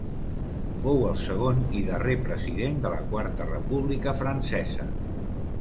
Fou el segon i darrer president de la Quarta República francesa.